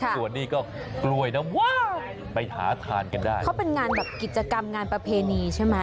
ส่วนนี่ก็กล้วยน้ำวะไปหาทานกันได้